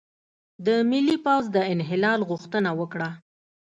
د ملي پوځ د انحلال غوښتنه وکړه،